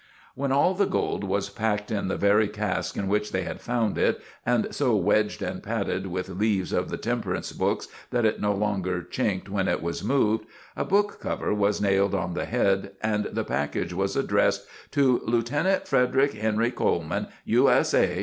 When all the gold was packed in the very cask in which they had found it, and so wedged and padded with leaves of the temperance books that it no longer chinked when it was moved, a book cover was nailed on the head, and the package was addressed to "LIEUTENANT FREDERICK HENRY COLEMAN, U.S.A.